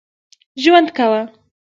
ژوند کاوه.